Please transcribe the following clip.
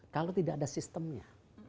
kalau tidak ada sistemnya